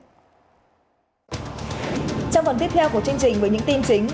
trong phần tiếp theo của chương trình với những tin chính